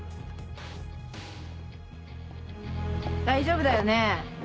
大丈夫だよね？